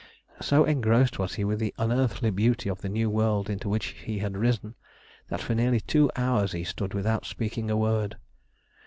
So engrossed was he with the unearthly beauty of the new world into which he had risen, that for nearly two hours he stood without speaking a word.